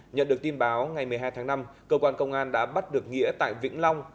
nhận được tin báo ngày một mươi hai tháng năm cơ quan công an đã bắt được nghĩa tại vĩnh long